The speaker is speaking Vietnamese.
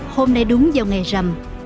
hôm nay đúng vào ngày rằm